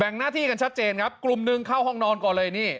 งหน้าที่กันชัดเจนครับกลุ่มหนึ่งเข้าห้องนอนก่อนเลยนี่